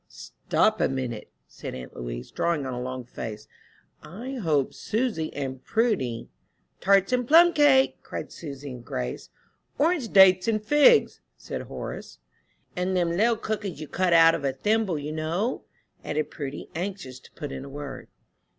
"Stop a minute," said aunt Louise, drawing on a long face, "I hope Susy and Prudy " "Tarts and plum cake!" cried Susy and Grace. "Oranges, dates, and figs!" said Horace. "And them little cookies you cut out of a thimble, you know," added Prudy, anxious to put in a word.